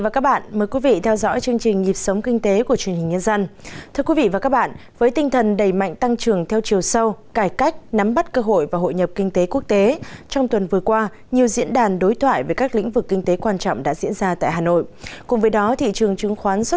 chào mừng quý vị đến với bộ phim hãy nhớ like share và đăng ký kênh của chúng mình nhé